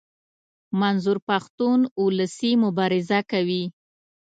منظور پښتون اولسي مبارزه کوي.